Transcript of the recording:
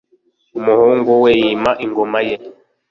umuhungu we yima ingoma ye.